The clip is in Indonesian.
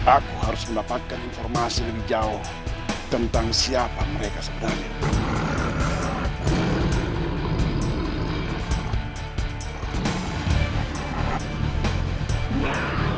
aku harus mendapatkan informasi lebih jauh tentang siapa mereka sebenarnya